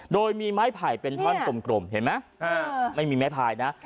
โดยมีไม้ไผ่เป็นท่อนกลมเห็นไหมไม่มีไม้พายนะ